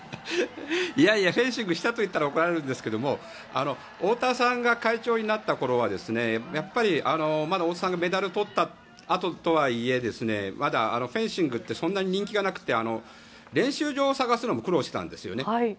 いやいやフェンシングしたと言ったら怒られるんですけど太田さんが会長になった頃はまだ、太田さんがメダルを取ったあととはいえまだフェンシングってそんなに人気がなくて練習場を探すのも苦労していたんですよね。